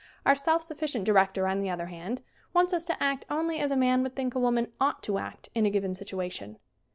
Our self sufficient director, on the other hand, wants us to act only as a man would think a woman ought to act in a given situation.